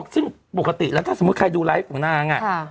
ซึ่งปกติแล้วถ้าสมมุติใครดูไลฟ์ของนาง